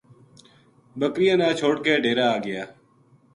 بکریاں نا چھوڈ کے ڈیرے آگیا